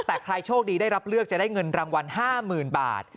แต่ใครโชคดีได้รับเลือกจะได้เงินรางวัล๕๐๐๐บาท